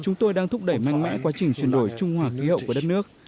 chúng tôi đang thúc đẩy mạnh mẽ quá trình chuyển đổi trung hòa khí hậu của đất nước